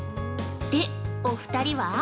で、お２人は？